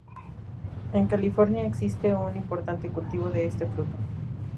En California existe un importante cultivo de este fruto.